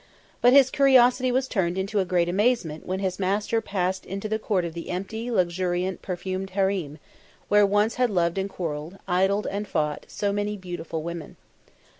But his curiosity was turned to a great amazement when his master passed into the court of the empty, luxuriant, perfumed harem, where once had loved and quarrelled, idled and fought, so many beautiful women.